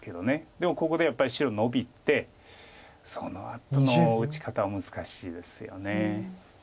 でもここでやっぱり白ノビてそのあとの打ち方は難しいですよね。